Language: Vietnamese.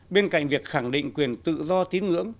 bên cạnh việc khẳng định quyền tự do tín ngưỡng